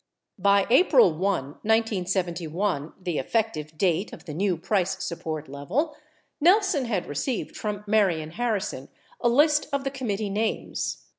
By April 1, 1971 (the effective date of the new price sup port level), Nelson had received from Marion Harrison a list of the committee names.